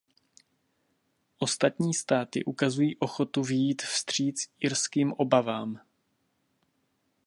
Ostatní státy ukazují ochotu vyjít vstříc irským obavám.